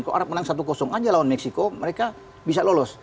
kalau arab menang satu aja lawan meksiko mereka bisa lolos